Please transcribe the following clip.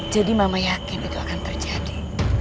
jadi mama yakin itu akan terjadi